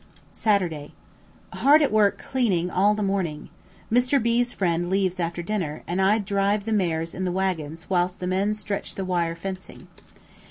Saturday. Hard at work cleaning all the morning. Mr. B 's friend leaves after dinner, and I drive the mares in the waggons whilst the men stretch the wire fencing.